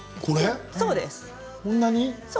こんなに？